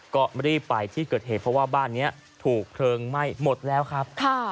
ก็รีบไปที่เกิดเหตุเพราะว่าบ้านนี้ถูกเพลิงไหม้หมดแล้วครับ